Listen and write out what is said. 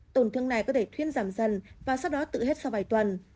tổn thương này có thể thuyên giảm dần và sau đó tự hết sau vài tuần